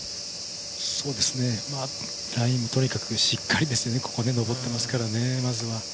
ラインもとにかくしっかりここで上っていますからね。